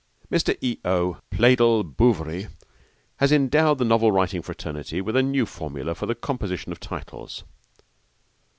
Mr. E. O. Pleydell Bouverie has endowed the novel writing fraternity with a new formula for the composition of titles.